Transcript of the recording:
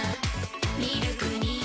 ミルクに